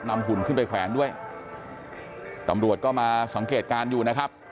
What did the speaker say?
หุ่นขึ้นไปแขวนด้วยตำรวจก็มาสังเกตการณ์อยู่นะครับ